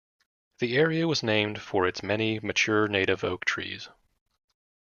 The area was named for its many mature native oak trees.